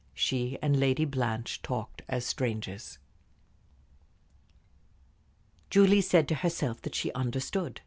She and Lady Blanche talked as strangers. Julie said to herself that she understood.